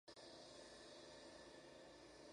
Tito Livio le da el "praenomen" Cneo.